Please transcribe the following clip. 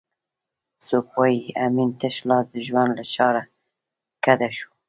څوک وایي امین تش لاس د ژوند له ښاره کډه شو؟